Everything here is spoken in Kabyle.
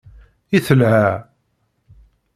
I telha!